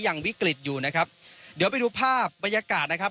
ยังวิกฤตอยู่นะครับเดี๋ยวไปดูภาพบรรยากาศนะครับ